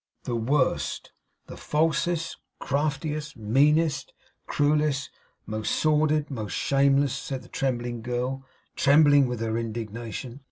'The worst. The falsest, craftiest, meanest, cruellest, most sordid, most shameless,' said the trembling girl trembling with her indignation.